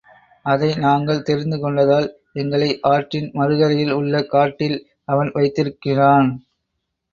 அதை நாங்கள் தெரிந்துகொண்டதால் எங்களை ஆற்றின் மறுகரையில் உள்ள காட்டில் அவன் வைத்திருக்கிறான்.